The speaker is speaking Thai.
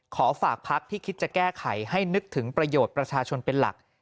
ขอฝากพักที่คิดจะแก้ไขให้นึกถึงประโยชน์ประชาชนเป็นหลัก